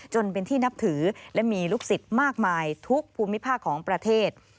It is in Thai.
จนเป็นที่นับถือและมีลูกศิษย์มากมายทุกภูมิภาคของประเทศ